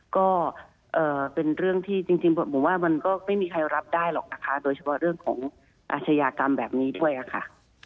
ก็เป็นเรื่องที่จริงผมว่ามันก็ไม่มีใครรับได้หรอกนะคะโดยเฉพาะเรื่องของอาชญากรรมแบบนี้ด้วยค่ะ